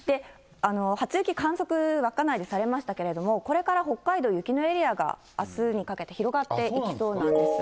初雪、観測、稚内でされましたけれども、これから北海道、雪のエリアがあすにかけて広がっていきそうなんです。